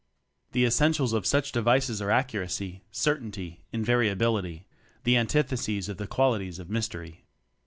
The essentials of such devices are accuracy, certainty, invariability the antitheses of the qualities of mys tery.